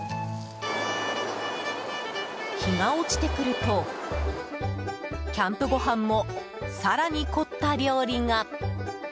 日が落ちてくるとキャンプご飯も更に凝った料理が。